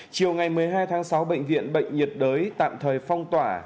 chiều ngày một mươi hai tháng sáu bệnh viện bệnh nhiệt đới tạm thời phong tỏa